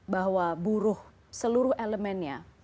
bahwa buruh seluruh elemennya